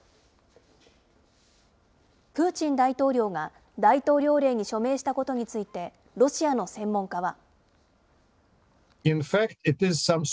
プーチン大統領が大統領令に署名したことについて、ロシアの専門家は。